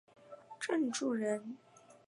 郑注人。